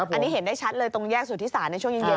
อันนี้เห็นได้ชัดเลยตรงแยกสุธิศาลในช่วงเย็น